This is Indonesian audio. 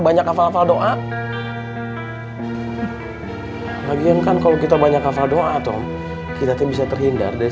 banyak hafal hafal doa lagian kan kalau kita banyak hafal doa tuh kita bisa terhindar dari